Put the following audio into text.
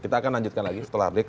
kita akan lanjutkan lagi setelah break